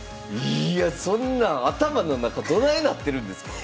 いやそんなん頭の中どないなってるんですか？